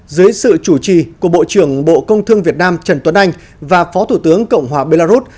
dưới sự chủ trì của bộ trưởng bộ công thương việt nam trần tuấn anh và phó thủ tướng cộng hòa belarus